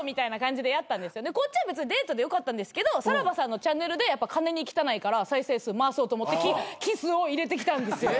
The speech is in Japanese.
こっちは別にデートでよかったんですけどさらばさんのチャンネルでやっぱ金に汚いから再生数回そうと思ってキスを入れてきたんですよ。